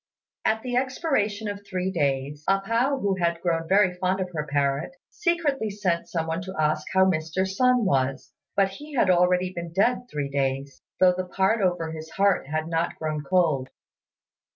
At the expiration of three days, A pao, who had grown very fond of her parrot, secretly sent some one to ask how Mr. Sun was; but he had already been dead three days, though the part over his heart had not grown cold.